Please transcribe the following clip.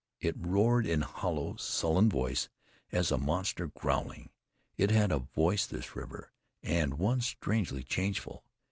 It roared in hollow, sullen voice, as a monster growling. It had voice, this river, and one strangely changeful.